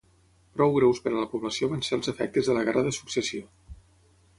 Prou greus per a la població van ser els efectes de la Guerra de Successió.